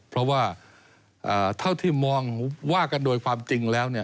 เพราะว่าเท่าที่มองว่ากันโดยความจริงแล้ว